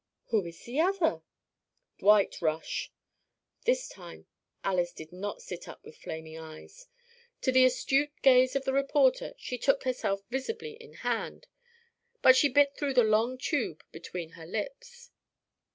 "Who is the other?" "Dwight Rush." This time Alys did not sit up with flaming eyes. To the astute gaze of the reporter she took herself visibly in hand. But she bit through the long tube between her lips.